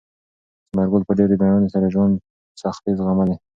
ثمر ګل په ډېرې مېړانې سره د ژوند سختۍ زغملې.